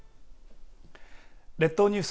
列島ニュース